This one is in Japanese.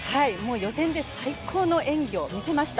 予選で最高の演技を見せました。